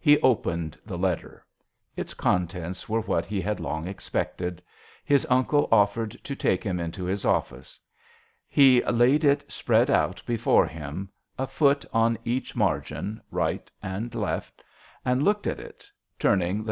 He opened the letter. Its contents were what he had long expected. His uncle offered to take him into his office. He laid it spread out before him a foot on each margin, right and left and looked at it, turning the JOHN SHERMAN.